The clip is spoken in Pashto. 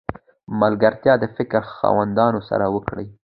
ملګرتیا د فکر خاوندانو سره وکړئ!